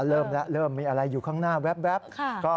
เริ่มแล้วเริ่มมีอะไรอยู่ข้างหน้าแว๊บ